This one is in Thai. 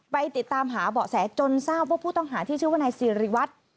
ไปติดตามหาบ่อแสจนเศรษฐ์พวกผู้ต้องหาที่ชื่อว่าในสิริวัตร